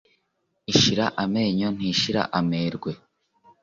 Ishira amenyo ntishira amerwe